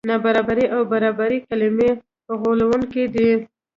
نابرابري او برابري کلمې غولوونکې دي.